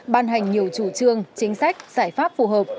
ban hành nhiều chủ trương chính sách giải pháp phù hợp